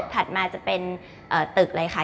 มาจะเป็นตึกเลยค่ะ